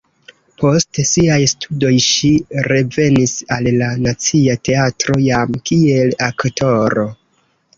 Post siaj studoj ŝi revenis al la Nacia Teatro jam kiel aktoro.